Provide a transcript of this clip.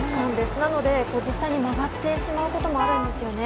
なので、実際に曲がってしまうこともあるんですよね。